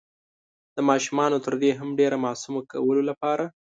د ماشومانو تر دې هم ډير معصومه کولو لپاره